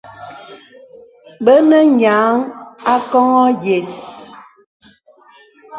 Bə nə nyéaŋ akɔŋɔ yə̀s.